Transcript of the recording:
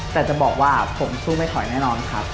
แต่จะบอกว่าผมสู้ไม่ถอยแน่นอนครับ